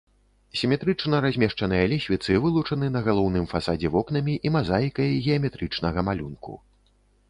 Сіметрычна размешчаныя лесвіцы вылучаны на галоўным фасадзе вокнамі і мазаікай геаметрычнага малюнку.